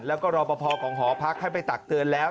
แล้วก็รอปภของหอพักให้ไปตักเตือนแล้ว